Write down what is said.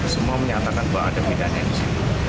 semua menyatakan bahwa ada pidana di situ